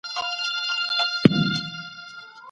ولي سوداګریزه لار په نړیواله کچه ارزښت لري؟